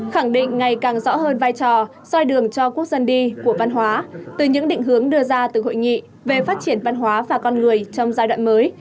khẳng định ngày càng rõ hơn vai trò soi đường cho quốc dân đi của văn hóa từ những định hướng đưa ra từ hội nghị về phát triển văn hóa và con người trong giai đoạn mới